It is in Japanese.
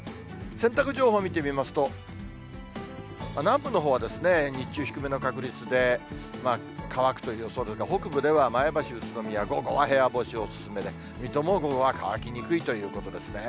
洗濯情報見てみますと、南部のほうはですね、日中、低めの確率で、乾くという予想ですが、北部では前橋、宇都宮、午後は部屋干しお勧めで、水戸も午後は乾きにくいということですね。